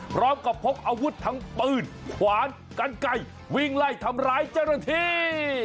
พร้อมกับพกอาวุธทั้งปืนขวานกันไก่วิ่งไล่ทำร้ายเจ้าหน้าที่